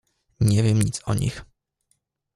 "Nie wiem nic o nich."